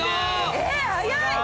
えっ早い！